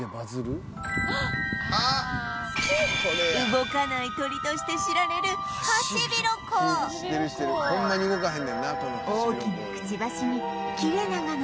動かない鳥として知られるハシビロコウ動かない。